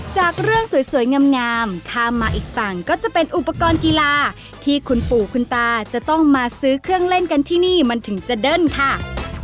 จากเรื่องสวยงามถ้ามาอีกฝั่งก็จะเป็นอุปกรณ์กีฬาที่คุณปู่คุณตาจะต้องมาซื้อเครื่องเล่นกันที่นี่มันถึงจะเด้นค่ะ